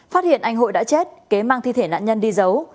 phát hiện anh hội đã chết kế mang thi thể nạn nhân đi giấu